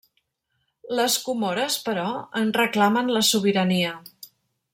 Les Comores, però, en reclamen la sobirania.